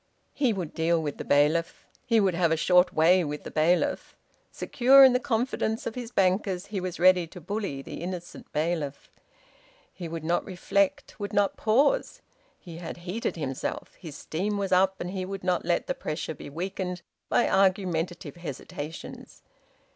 He would deal with the bailiff. He would have a short way with the bailiff. Secure in the confidence of his bankers, he was ready to bully the innocent bailiff. He would not reflect, would not pause. He had heated himself. His steam was up, and he would not let the pressure be weakened by argumentative hesitations.